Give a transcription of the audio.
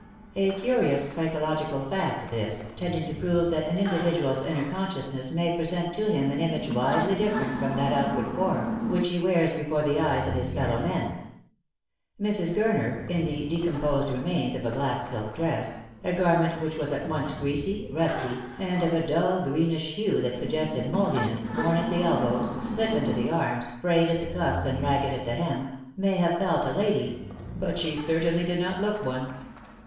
A curious psychological fact this, tending to prove that an individual's inner consciousness may present to him an image widely different from that outward form which he wears before the eyes of his fellow men. Mrs. Gurner, in the decomposed remains of a black silk dress — a garment which was at once greasy, rusty, and of a dull greenish hue that suggested mouldi ness, worn at the elbows, split under the arms, frayed at the cuffs, and ragged at the hem — may have felt a lady, but she certainly did not look one.